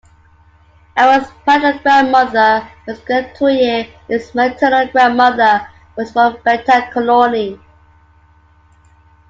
Aral's paternal grandmother was a Vorrutyer; his maternal grandmother was from Beta Colony.